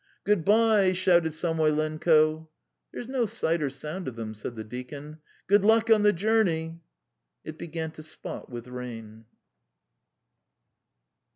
"Go o od by e," shouted Samoylenko. "There's no sight or sound of them," said the deacon. "Good luck on the journey!" It began to spot with rain.